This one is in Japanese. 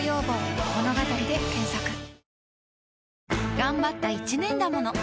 がんばった一年だもの。